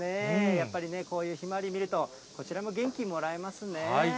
やっぱりね、こういうひまわりを見ると、こちらも元気もらいますね。